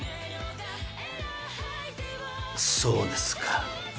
そうですか。